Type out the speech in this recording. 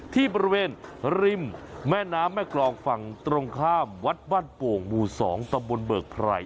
ที่บริเวณริมแม่น้ำแม่กรองฝั่งตรงข้ามวัดบ้านโป่งหมู่๒ตำบลเบิกไพร